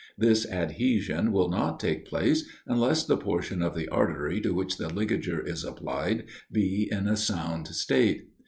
This adhesion will not take place unless the portion of the artery to which the ligature is applied be in a sound state.